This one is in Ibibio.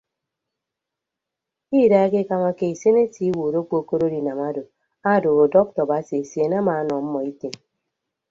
Ke idaha ekekamake isen etie iwuot okpokoro edinam odo odooho dọkta basi esien amaanọ ọmmọ item.